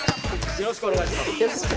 よろしくお願いします。